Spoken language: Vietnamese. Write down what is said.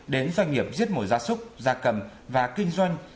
đến doanh nghiệp giết mổ gia súc gia cầm và kinh doanh